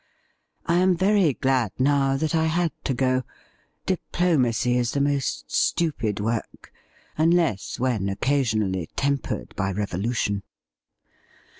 I am very glad now that I had to go. Diplo macy is the most stupid work, unless when occasionally tempered by revolution.